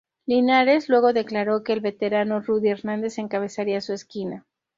Linares luego declaró que el veterano Rudy Hernández encabezaría su esquina.